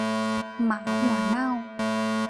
หมาหัวเน่า